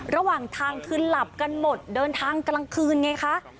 ระหว่างทางคือหลับกันหมดเดินทางกลางคืนไงคะ